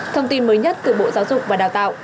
thông tin mới nhất từ bộ giáo dục và đào tạo